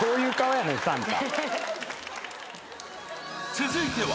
［続いては］